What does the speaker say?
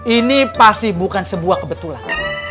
ini pasti bukan sebuah kebetulan